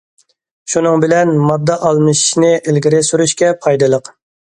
شۇنىڭ بىلەن ماددا ئالمىشىشنى ئىلگىرى سۈرۈشكە پايدىلىق.